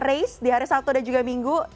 tembaga ada rake di hari sabtu dan juga minggu